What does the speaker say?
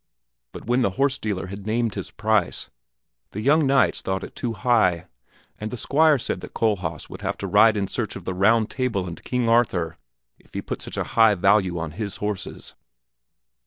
But when the horse dealer had named his price the young knights thought it too high, and the Squire said that Kohlhaas would have to ride in search of the Round Table and King Arthur if he put such a high value on his horses.